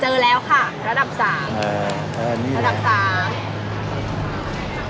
เจอแล้วค่ะระดับ๓